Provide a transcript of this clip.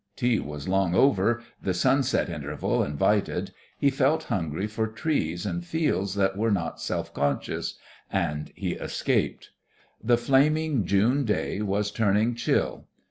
Tea was long over, the sunset interval invited, he felt hungry for trees and fields that were not self conscious and he escaped. The flaming June day was turning chill.